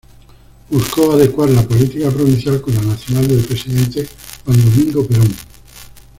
Buscó adecuar la política provincial con la nacional del presidente Juan Domingo Perón.